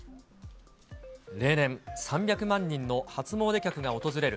例年、３００万人の初詣客が訪れる